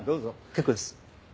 結構です。